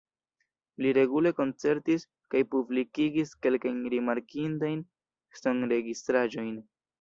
Li regule koncertis kaj publikigis kelkajn rimarkindajn sonregistraĵojn.